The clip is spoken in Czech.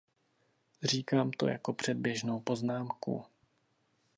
Říkám to jako předběžnou poznámku.